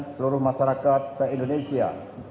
seluruh masyarakat indonesia